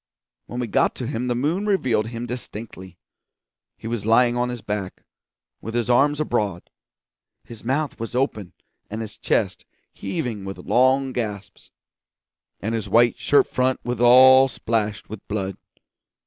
When we got to him the moon revealed him distinctly. He was lying on his back, with his arms abroad; his mouth was open and his chest heaving with long gasps, and his white shirt front was all splashed with blood.